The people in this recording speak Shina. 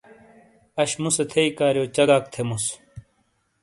اش مُُو سے تھئی کاریو چگاک تھیموس۔